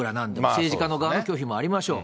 政治家の側の拒否もありましょう。